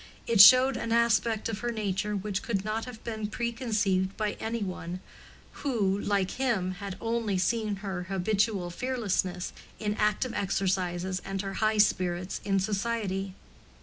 It showed an aspect of her nature which could not have been preconceived by any one who, like him, had only seen her habitual fearlessness in active exercises and her high spirits in society.